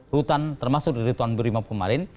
rutan termasuk dari tuan brimob kemarin